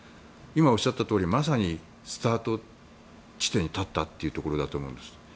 今おっしゃったとおりまさにスタート地点に立ったというところだと思います。